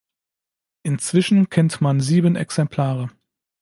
Inzwischen kennt man sieben Exemplare.